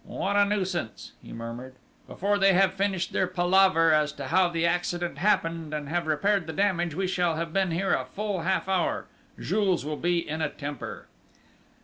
"What a nuisance!" he murmured. "Before they have finished their palaver as to how the accident happened and have repaired the damage, we shall have been here a full half hour.... Jules will be in a temper!"